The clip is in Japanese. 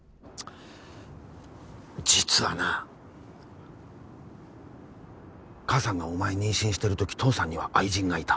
実はな母さんがお前妊娠してる時父さんには愛人がいた。